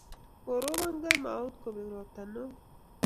korbon kamou kobek robta neo